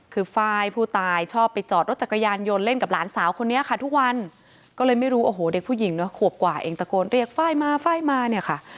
คือไฟล์ผู้ตายชอบไปจอดรถจักรยานยนต์เล่นกับหลานสาวคนนี้ค่ะทุกวันก็เลยไม่รู้โอ้โหเด็กผู้หญิงเนอะขวบกว่าเองตะโกนเรียกไฟล์มาไฟล์มาเนี่ยค่ะ